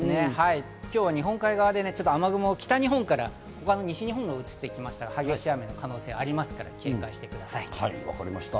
今日は日本海側で雨雲、北日本から西日本にうつっていきましたから激しい雨の可能性ありますから警戒してく分かりました。